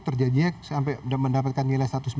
terjadinya sampai mendapatkan nilai